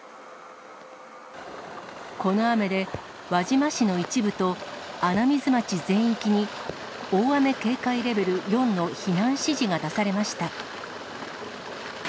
この雨で、輪島市の一部と、穴水町全域に、大雨警戒レベル４の避難指示が出されました。